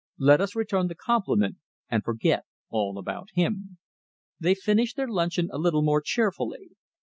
Let us return the compliment and forget all about him." They finished their luncheon a little more cheerfully.